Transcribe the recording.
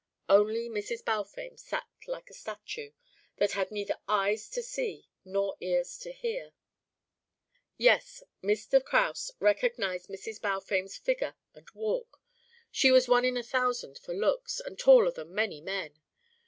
Only Mrs. Balfame sat like a statue that had neither eyes to see nor ears to hear. Yes, Mr. Kraus recognised Mrs. Balfame's figure and walk. She was one in a thousand for looks, and taller than many men.